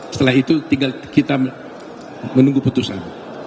setelah itu tinggal kita menunggu putusan